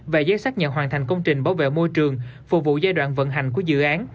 và giấy xác nhận hoàn thành công trình bảo vệ môi trường phục vụ giai đoạn vận hành của dự án